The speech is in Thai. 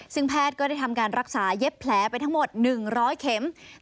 ซึ่งแพทย์ก็ได้ทำการรักษาเย็บแผลไปทั้งหมด๑๐๐เข็ม